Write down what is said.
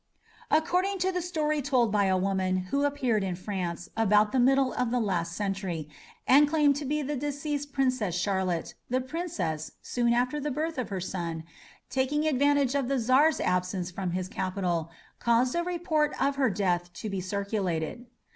According to the story told by a woman who appeared in France about the middle of the last century, and claimed to be the deceased Princess Charlotte, the Princess, soon after the birth of her son, taking advantage of the Czar's absence from his capital, caused a report of her death to be circulated.